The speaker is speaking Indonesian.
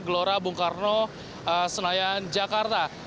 gelora bung karno senayan jakarta